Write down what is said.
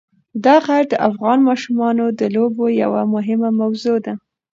دا غر د افغان ماشومانو د لوبو یوه مهمه موضوع ده.